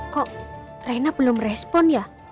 kok rena belum respon ya